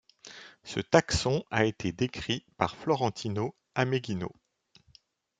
Ce taxon a été décrit par Florentino Ameghino.